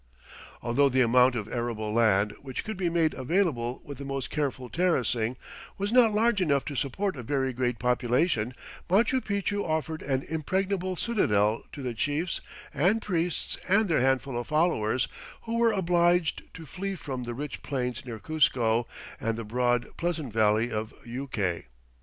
Although the amount of arable land which could be made available with the most careful terracing was not large enough to support a very great population, Machu Picchu offered an impregnable citadel to the chiefs and priests and their handful of followers who were obliged to flee from the rich plains near Cuzco and the broad, pleasant valley of Yucay.